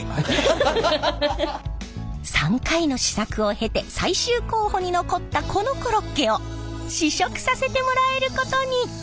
３回の試作を経て最終候補に残ったこのコロッケを試食させてもらえることに。